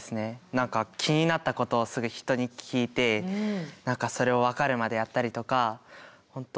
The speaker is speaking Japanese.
何か気になったことをすぐ人に聞いてそれを分かるまでやったりとか本当